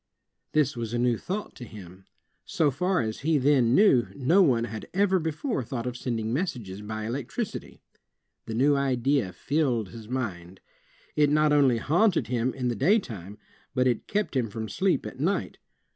This was a new thought to him. So far as he then knew, no one had ever before thought of sending messages by electricity. The new idea filled his mind. It not only haunted him in the day time, but it kept him from sleep at night.